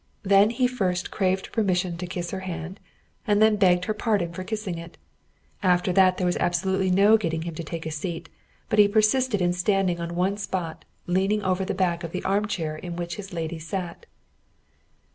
Then he first craved permission to kiss her hand, and then begged her pardon for kissing it. After that there was absolutely no getting him to take a seat, but he persisted in standing on one spot, leaning over the back of the arm chair in which his lady sat.